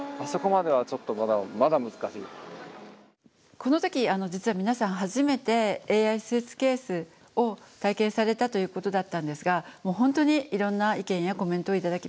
この時実は皆さん初めてＡＩスーツケースを体験されたということだったんですが本当にいろんな意見やコメントを頂きました。